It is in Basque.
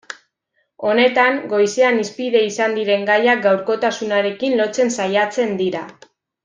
Honetan, goizean hizpide izan diren gaiak gaurkotasunarekin lotzen saiatzen dira.